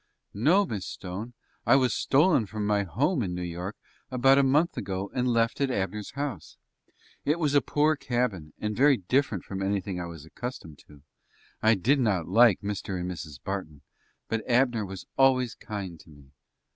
"No, Miss Stone; I was stolen from my home in New York about a month ago, and left at Abner's house. It was a poor cabin, and very different from anything I was accustomed to. I did not like Mr. and Mrs. Barton; but Abner was always kind to me."